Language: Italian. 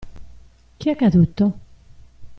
Che è accaduto?